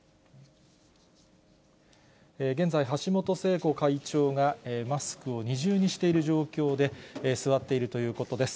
現在、橋本聖子会長がマスクを二重にしている状況で座っているということです。